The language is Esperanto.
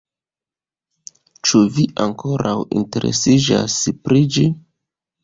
Ĉu vi ankoraŭ interesiĝas pri ĝi?